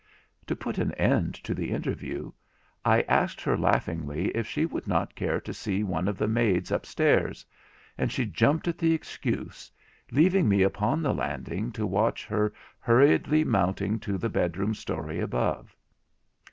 To put an end to the interview, I asked her laughingly if she would not care to see one of the maids upstairs; and she jumped at the excuse, leaving me upon the landing to watch her hurriedly mounting to the bedroom storey above.